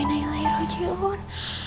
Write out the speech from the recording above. nek ijo mak meninggal